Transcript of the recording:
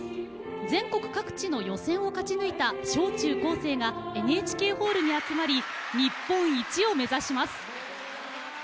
全国各地の予選を勝ち抜いた小中高生がＮＨＫホールに集まり日本一を目指します。